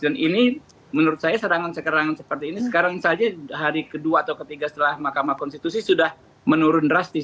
dan ini menurut saya sekarang seperti ini sekarang saja hari ke dua atau ke tiga setelah mahkamah konstitusi sudah menurun drastis